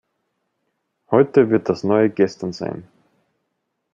Heute wird das neue Gestern sein.